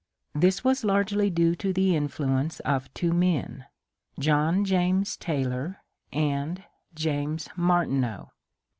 This was largely due to the influ ence of two men, — John James Taylor and James Mar tineau.